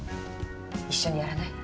一緒にやらない？